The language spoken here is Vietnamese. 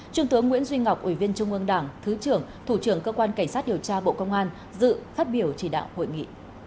trung tướng nguyễn duy ngọc ủy viên trung ương đảng thứ trưởng thủ trưởng cơ quan cảnh sát điều tra bộ công an dự phát biểu chỉ đạo hội nghị